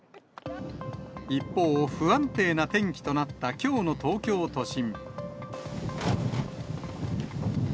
一方、不安定な天気となったきょうの東京都心。